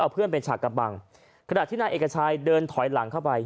เพื่อนเป็นฉากกระบังขณะที่นายเอกชัยเดินถอยหลังเข้าไป